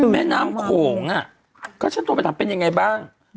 แม้นำโขงก็ใช้ตัวไปทำเป็นอย่างไรบ้าง